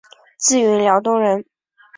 自云辽东人。